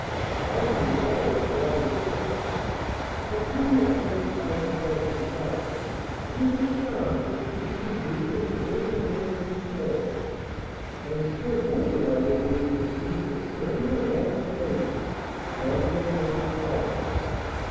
Climbing the wall was rather a difficulty, but when he at length found himself inside it he was charmed with the peaceful beauty of the little domain it enclosed, and still more delighted when he perceived a slender, lovely maiden wandering among the flowers.